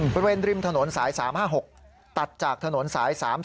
บริเวณริมถนนสาย๓๕๖ตัดจากถนนสาย๓๐